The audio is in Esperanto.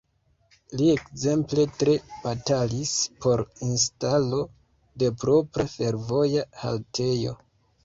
Li ekzemple tre batalis por instalo de propra fervoja haltejo.